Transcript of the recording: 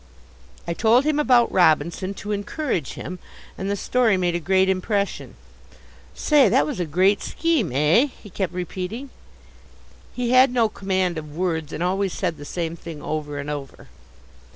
I told him about Robinson, to encourage him, and the story made a great impression. "Say, that was a great scheme, eh?" he kept repeating. He had no command of words, and always said the same thing over and over.